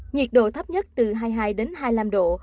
nhiệt độ thấp nhất từ hai mươi hai đến hai mươi năm độ